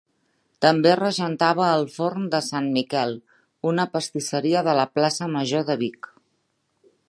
També regentava el forn de Sant Miquel, una pastisseria de la Plaça Major de Vic.